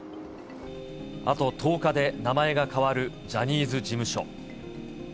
あと１０日で名前が変わるジャニーズ事務所。